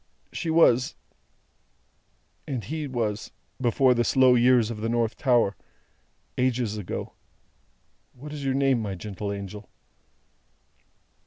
She was and He was before the slow years of the North Tower ages ago. What is your name, my gentle angel?"